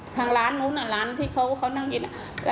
ทางร้านนู้นร้านที่เขานั่งกิน